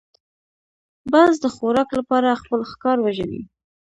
باز د خوراک لپاره خپل ښکار وژني